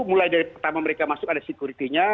mulai dari pertama mereka masuk ada security nya